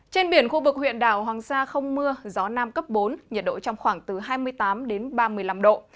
trên biển khu vực huyện đảo hoàng sa không mưa gió nam cấp bốn nhiệt độ trong khoảng từ hai mươi tám đến ba mươi năm độ